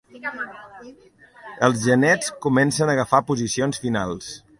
Els genets comencen agafar posicions finals.